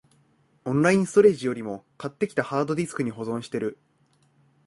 オンラインストレージよりも、買ってきたハードディスクに保存してる